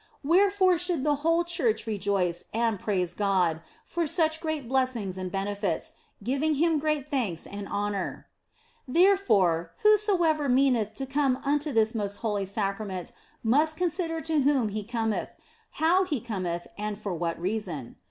Wherefore should the whole church rejoice and praise God for such great blessings and benefits, giving Him great thanks and honour. Therefore, whosoever meaneth to come unto this most holy Sacrament must consider to whom he cometh, how he cometh, and for what reason.